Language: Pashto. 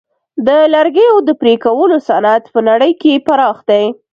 د لرګیو د پرې کولو صنعت په نړۍ کې پراخ دی.